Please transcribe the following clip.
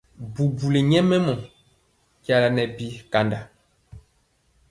Bubuli nyɛmemɔ jala nɛ bi kanda.